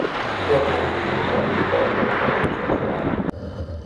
Miért ne mehetnénk el egy étterembe egy kellemes vacsorára?